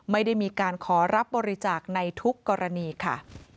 ไม่ได้มีการขอรับบริจาคในทุกกรณีค่ะ